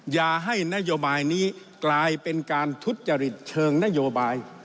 อย่าให้นโยบายนี้กลายเป็นการทุจริตเชิงนโยบาย